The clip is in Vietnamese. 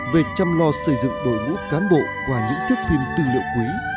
về chăm lo xây dựng đội ngũ cán bộ qua những thước phim tư liệu quý